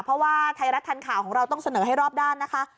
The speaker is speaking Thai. เพราะว่าไทยรัฐทันข่าวของเราต้องเสนอให้รอบด้านนะคะ